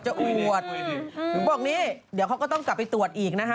อวดถึงบอกนี่เดี๋ยวเขาก็ต้องกลับไปตรวจอีกนะคะ